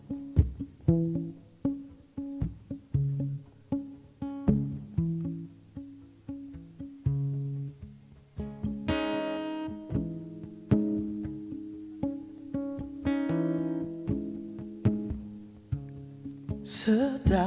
kami akan mencoba